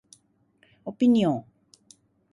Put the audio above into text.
オピニオン